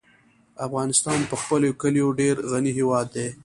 افغانستان په خپلو کلیو ډېر غني هېواد دی.